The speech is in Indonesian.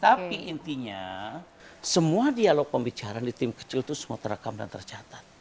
tapi intinya semua dialog pembicaraan di tim kecil itu semua terekam dan tercatat